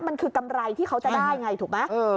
มันคือกำไรที่เขาจะได้ไงถูกไหม